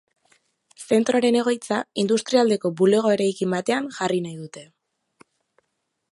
Zentroaren egoitza industrialdeko bulego-eraikin batean jarri nahi dute.